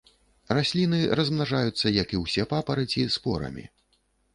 Расліны размнажаюцца, як і ўсе папараці, спорамі.